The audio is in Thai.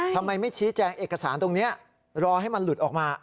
ทำไมไม่ชี้แจงเอกสารตรงนี้รอให้มันหลุดออกมา